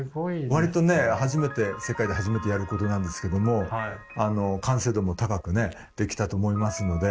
割とね初めて世界で初めてやることなんですけども完成度も高くねできたと思いますので。